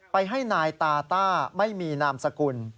ให้นายตาต้าไม่มีนามสกุล